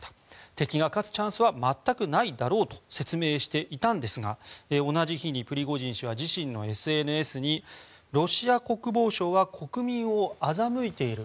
敵が勝つチャンスは全くないだろうと説明していたんですが同じ日に、プリゴジン氏は自身のＳＮＳにロシア国防省は国民を欺いている。